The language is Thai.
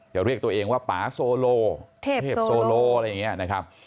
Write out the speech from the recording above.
เรียกตัวเองว่าป่าโซโลเทพโซโลอะไรอย่างนี้นะครับ